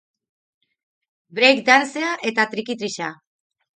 Break dancea eta trikitixa.